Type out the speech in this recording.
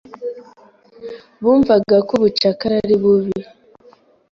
Bumvaga ko ubucakara ari bubi.